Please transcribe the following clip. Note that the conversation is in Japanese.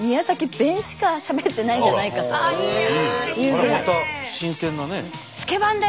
それまた新鮮なね。